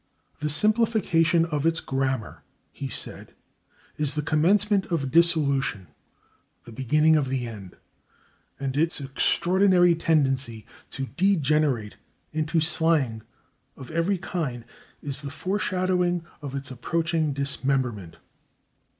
"The simplification of its grammar," he said, "is the commencement of dissolution, the beginning of the end, and its extraordinary tendency to degenerate into slang of [Pg316] every kind is the foreshadowing of its approaching dismemberment."